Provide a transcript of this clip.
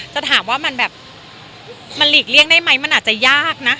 จะถามว่ามันแบบมันหลีกเลี่ยงได้ไหมมันอาจจะยากนะ